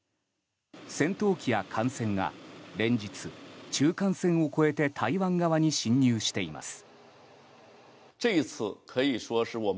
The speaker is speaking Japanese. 戦闘機や艦船が連日中間線を越えて台湾側に侵入しています。